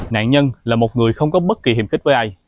nạn nhân là một người không có bất kỳ hiểm kích với ai